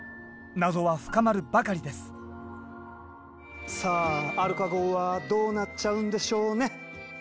謎は深まるばかりですさあアルカ号はどうなっちゃうんでしょうねっ？